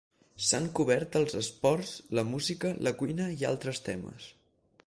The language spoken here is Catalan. S'han cobert els esports, la música, la cuina i altres temes